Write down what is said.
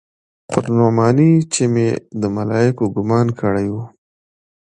پر نعماني چې مې د ملايکو ګومان کړى و.